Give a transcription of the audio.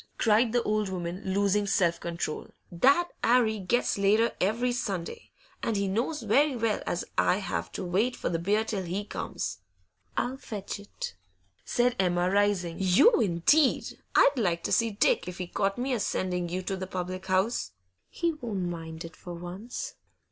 cried the old woman, losing self control. 'That 'Arry gets later every Sunday, and he knows very well as I have to wait for the beer till he comes.' I'll fetch it,' said Emma, rising. 'You indeed! I'd like to see Dick if he caught me a sending you to the public house.' 'He won't mind it for once.